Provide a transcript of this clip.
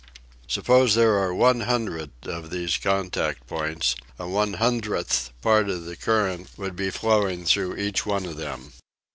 Suppose there are 100 of these contact points, a one hundredth part of the current would be flowing through each one of them.